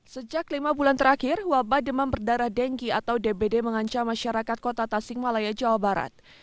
sejak lima bulan terakhir wabah demam berdarah dengki atau dbd mengancam masyarakat kota tasikmalaya jawa barat